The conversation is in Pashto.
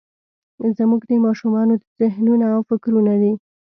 زموږ د ماشومانو ذهنونه او فکرونه دي.